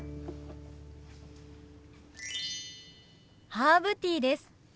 ハーブティーです。